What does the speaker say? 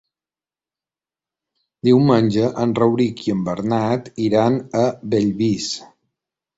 Diumenge en Rauric i en Bernat iran a Bellvís.